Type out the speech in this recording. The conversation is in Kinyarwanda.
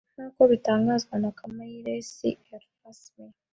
nk’uko bitangazwa na Kamayiresi Erasme